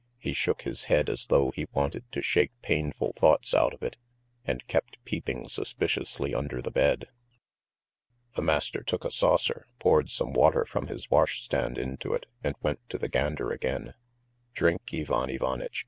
He shook his head as though he wanted to shake painful thoughts out of it, and kept peeping suspiciously under the bed. The master took a saucer, poured some water from his wash stand into it, and went to the gander again. "Drink, Ivan Ivanitch!"